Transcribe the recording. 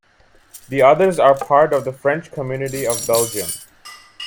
The others are part of the French community of Belgium.